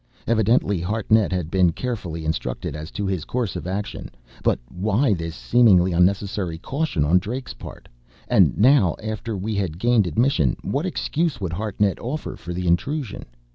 Evidently Hartnett had been carefully instructed as to his course of action but why this seemingly unnecessary caution on Drake's part? And now, after we had gained admission, what excuse would Hartnett offer for the intrusion?